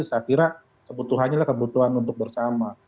saya kira kebutuhannya adalah kebutuhan untuk bersama